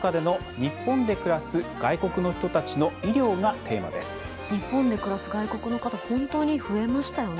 日本で暮らす外国の方本当に増えましたよね。